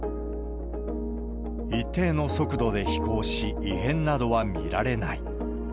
一定の速度で飛行し、異変などは見られない。